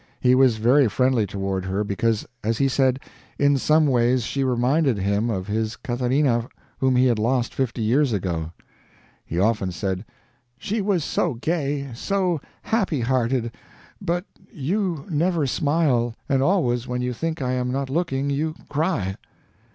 He was very friendly toward her because, as he said, in some ways she reminded him of his Catharina whom he had lost "fifty years ago." He often said: "She was so gay, so happy hearted but you never smile; and always when you think I am not looking, you cry."